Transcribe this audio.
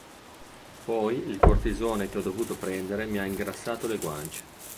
Poi il cortisone che ho dovuto prendere mi ha ingrassato le guance.